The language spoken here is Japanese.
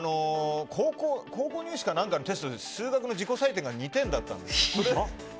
高校入試か何かのテストで数学の自己採点が２点だったんです。